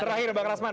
terakhir bang rasman